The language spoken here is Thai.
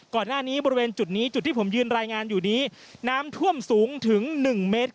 บริเวณจุดนี้จุดที่ผมยืนรายงานอยู่นี้น้ำท่วมสูงถึง๑เมตร